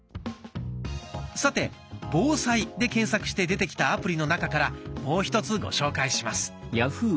さて「防災」で検索して出てきたアプリの中からもう１つご紹介します。